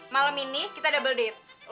malam ini kita double date